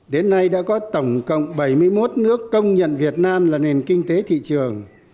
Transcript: đến nay đã có tổng cộng bảy mươi một nước công nhận việt nam là nền kinh tế thị trường